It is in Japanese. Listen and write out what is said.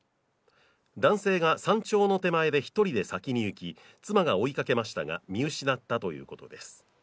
男性が山頂の手前で１人で先に行き、妻が追いかけましたが見失ったということです。